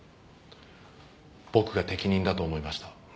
僕が適任だと思いました。